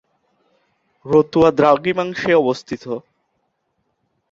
রতুয়া দ্রাঘিমাংশ এ অবস্থিত।